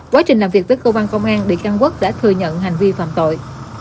quá trình làm việc với cơ quan công an bị can quốc đã thừa nhận hành vi phạm tội